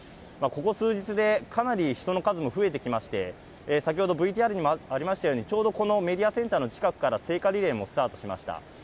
ここ数日でかなり人の数も増えてきまして、先ほどＶＴＲにもありましたように、ちょうどこのメディアセンターの近くから聖火リレーもスタートしました。